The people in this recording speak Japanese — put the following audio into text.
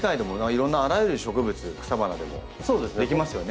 いろんなあらゆる植物草花でもできますよね。